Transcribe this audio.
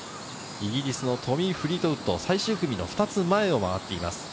イギリスのトミー・フリートウッド、最終組の２つ前を回っています。